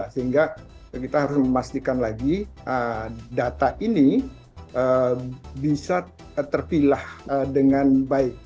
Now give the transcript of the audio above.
sehingga kita harus memastikan lagi data ini bisa terpilah dengan baik